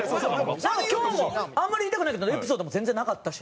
今日もあんまり言いたくないけどエピソードも全然なかったし。